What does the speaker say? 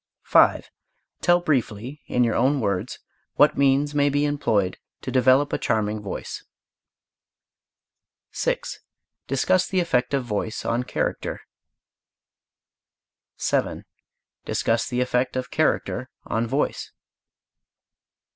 5. Tell briefly in your own words what means may be employed to develop a charming voice. 6. Discuss the effect of voice on character. 7. Discuss the effect of character on voice.